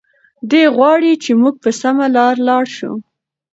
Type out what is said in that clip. دی غواړي چې موږ په سمه لاره لاړ شو.